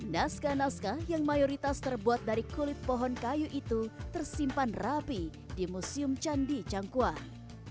naskah naskah yang mayoritas terbuat dari kulit pohon kayu itu tersimpan rapi di museum candi cangkuang